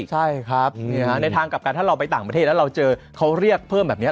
ใช่ครับในทางกลับกันถ้าเราไปต่างประเทศแล้วเราเจอเขาเรียกเพิ่มแบบนี้